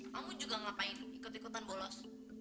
kamu juga ngapain ikut ikutan bolos